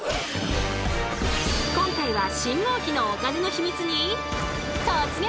今回は信号機のお金のヒミツに突撃！